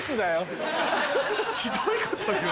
ひどいこと言う。